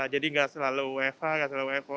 jadi nggak selalu wfh nggak selalu wfo